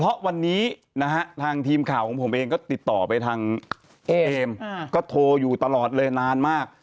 เพราะวันนี้นะฮะทางทีมข่าวของผมเองก็ติดต่อไปทางเอมก็โทรอยู่ตลอดเลยนานมาก